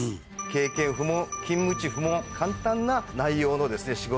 「経験不問」「勤務地不問」「簡単な内容の仕事」。